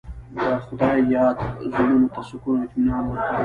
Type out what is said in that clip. د خدای یاد زړونو ته سکون او اطمینان ورکوي.